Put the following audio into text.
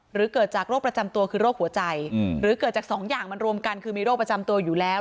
หรือเกิดจากโรคประจำตัวคือโรคหัวใจหรือเกิดจากสองอย่างมันรวมกันคือมีโรคประจำตัวอยู่แล้ว